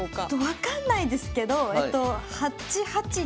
分かんないですけど８八に飛車。